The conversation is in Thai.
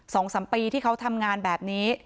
สองสามปีที่เขาทำงานแบบนี้